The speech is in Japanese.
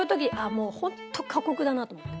もうホント過酷だなと思って。